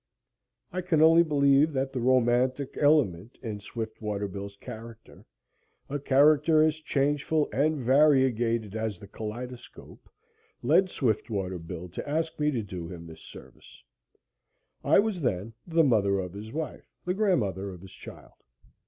I can only believe that the romantic element in Swift Water Bill's character a character as changeful and variegated as the kaleidoscope led Swiftwater Bill to ask me to do him this service. I was then the mother of his wife the grandmother of his child.